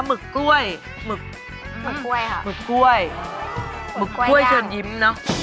หมึกก้วยค่ะ